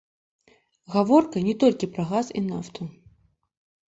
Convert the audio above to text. Гаворка не толькі пра газ і нафту.